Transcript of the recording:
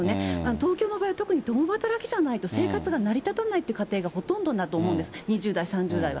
東京の場合は特に、共働きじゃないと生活が成り立たないという家庭がほとんどだと思うんです、２０代、３０代は。